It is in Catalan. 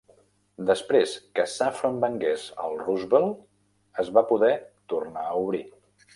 Després que Saffron vengués el Roosevelt, es va poder tornar a obrir.